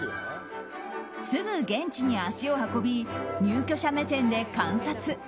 すぐ現地に足を運び入居者目線で観察。